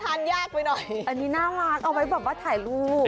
อันนี้น่ารักเอาไว้แบบว่าถ่ายรูป